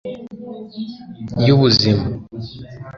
y'ubuzima